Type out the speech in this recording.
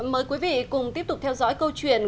mời quý vị cùng tiếp tục theo dõi câu chuyện